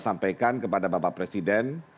sampaikan kepada bapak presiden